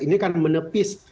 ini kan menepis